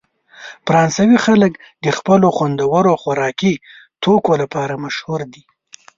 فرانسوي خلک د خپلو خوندورو خوراکي توکو لپاره مشهوره دي.